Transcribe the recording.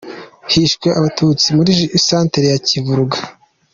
Hishwe Abatutsi muri Centre ya Kivuruga.